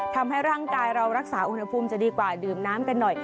ทำให้ร่างกายเรารักษาอุณหภูมิจะดีกว่าดื่มน้ำกันหน่อย